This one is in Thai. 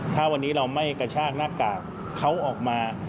ถ้าวันนี้เราไม่กระชากหน้ากากเขาออกมา